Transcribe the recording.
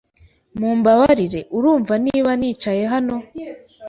Mumbabarire, urumva niba nicaye hano?